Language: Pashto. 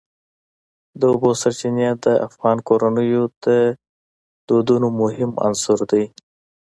د اوبو سرچینې د افغان کورنیو د دودونو مهم عنصر دی.